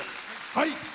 はい！